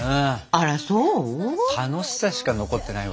あらそう？